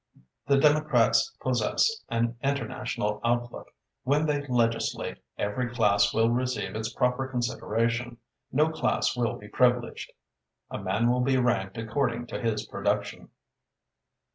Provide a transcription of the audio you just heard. The Democrats possess an international outlook. When they legislate, every class will receive its proper consideration. No class will be privileged. A man will be ranked according to his production."